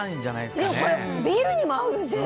でもこれ、ビールにも合うよ。